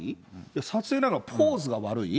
撮影なんかポーズが悪い？